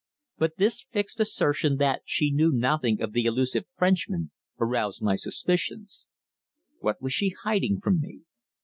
But this fixed assertion that she knew nothing of the elusive Frenchman aroused my suspicions. What was she hiding from me?